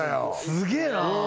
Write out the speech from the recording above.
すげえな！